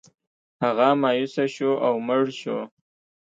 هغه مایوسه شو او مړ شو.